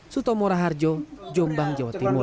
suto moraharjo jombang jawa timur